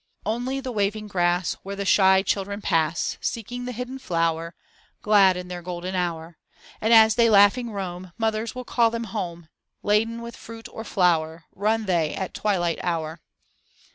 Only the waving grass, Where the shy children pass Seeking the hidden flower. Glad in their golden hour. And as they laughing roam Mothers will call them home. Laden with fruit or flower Run they at twilight hour.